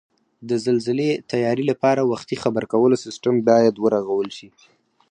د زلزلې تیاري لپاره وختي خبرکولو سیستم بیاد ورغول شي